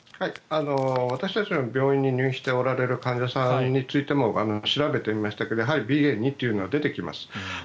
私たちの病院に入院しておられる患者さんについても調べてみましたけどやはりＢＡ．２というのは出てきます。